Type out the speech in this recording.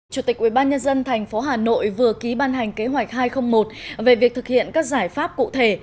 chủ tịch ubnd tp hà nội vừa ký ban hành kế hoạch hai trăm linh một về việc thực hiện các giải pháp cụ thể